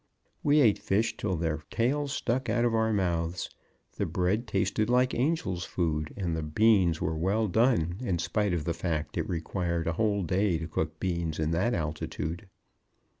We ate fish till their tails stuck out of our mouths. The bread tasted like angel's food, and the beans were well done, in spite of the fact it required a whole day to cook beans in that altitude.